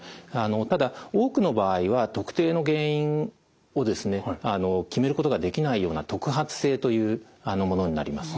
ただ多くの場合は特定の原因をですね決めることができないような特発性というものになります。